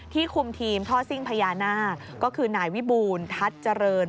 คุมทีมท่อซิ่งพญานาคก็คือนายวิบูลทัศน์เจริญ